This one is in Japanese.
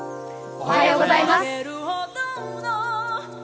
おはようございます。